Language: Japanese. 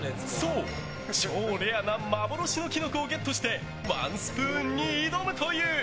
そう、超レアな幻のキノコをゲットしてワンスプーンに挑むという。